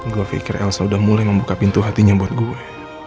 gue pikir elsa sudah mulai membuka pintu hatinya buat gue